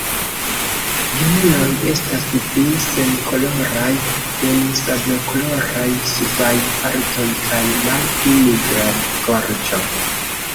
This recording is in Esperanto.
Junuloj estas pli senkoloraj, kun sablokoloraj subaj partoj kaj malpli nigra gorĝo.